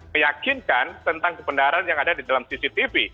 meyakinkan tentang kebenaran yang ada di dalam cctv